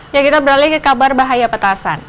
ya kita beralih ke kabar bahaya petasan